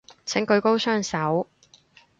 請舉高雙手